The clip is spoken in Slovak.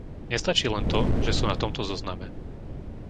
Nestačí len to, že sú na tomto zozname.